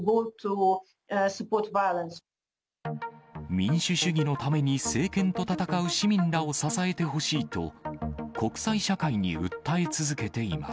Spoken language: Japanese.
民主主義のために政権と戦う市民らを支えてほしいと、国際社会に訴え続けています。